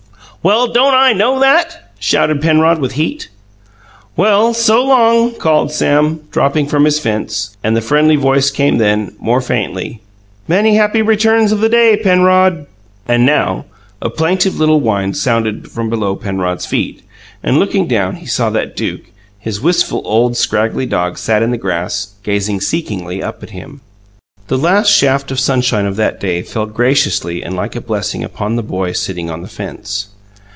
"Well, don't I know that?" Penrod shouted, with heat. "Well, so long!" called Sam, dropping from his fence; and the friendly voice came then, more faintly, "Many happy returns of the day, Penrod!" And now, a plaintive little whine sounded from below Penrod's feet, and, looking down, he saw that Duke, his wistful, old, scraggly dog sat in the grass, gazing seekingly up at him. The last shaft of sunshine of that day fell graciously and like a blessing upon the boy sitting on the fence.